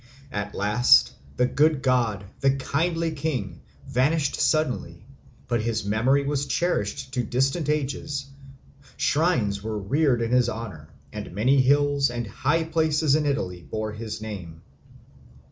At last the good god, the kindly king, vanished suddenly; but his memory was cherished to distant ages, shrines were reared in his honour, and many hills and high places in Italy bore his name.